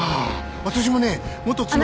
私もね元妻から。